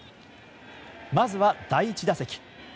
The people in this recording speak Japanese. まずは第１打席。